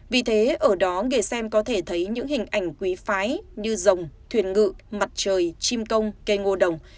vì thế ở đó người xem có thể thấy những hình ảnh quý phái như rồng thuyền ngự mặt trời chim công cây ngô đồng